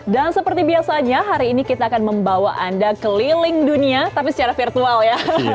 dan seperti biasanya hari ini kita akan membawa anda keliling dunia tapi secara virtual ya